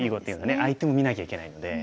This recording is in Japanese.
相手も見なきゃいけないので。